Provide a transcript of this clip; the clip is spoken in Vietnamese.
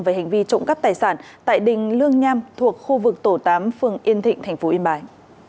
về hành vi trộm cắp tài sản tại đình lương nham thuộc khu vực tổ tám phường yên thịnh tp yên bái